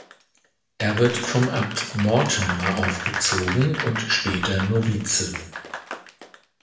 Er wird von Abt Mortimer aufgezogen und später Novize.